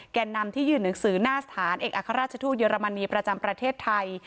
แก่นำที่ยื่นหนังสือหน้าสถานเอกอัครราชทูตเยอรมนีประจำประเทศไทย